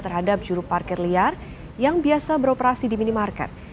terhadap juru parkir liar yang biasa beroperasi di minimarket